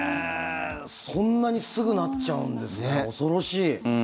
そんなにすぐなっちゃうんですね恐ろしい。